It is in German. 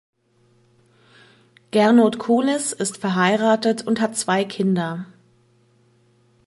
Gernot Kulis ist verheiratet und hat zwei Kinder.